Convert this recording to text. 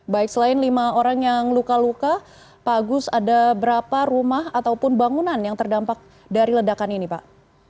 baik selain lima orang yang luka luka pak agus ada berapa rumah ataupun bangunan yang terdampak dari ledakan ini pak